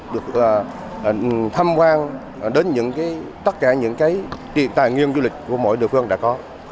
được thăm quan đến tất cả những tài nguyên du lịch của mỗi địa phương đã có